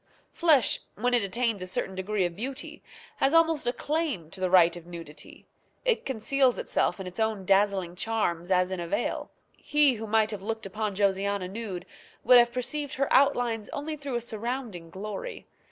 Flesh, when it attains a certain degree of beauty, has almost a claim to the right of nudity; it conceals itself in its own dazzling charms as in a veil. He who might have looked upon Josiana nude would have perceived her outlines only through a surrounding glory.